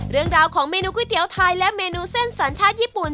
เรื่องราวของเมนูก๋วยเตี๋ยวไทยและเมนูเส้นสัญชาติญี่ปุ่น